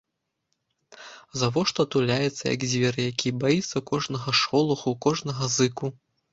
Завошта туляецца, як звер які, баіцца кожнага шолаху, кожнага зыку?